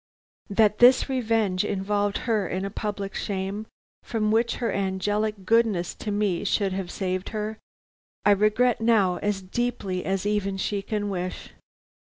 "That this revenge involved her in a public shame from which her angelic goodness to me should have saved her, I regret now as deeply as even she can wish.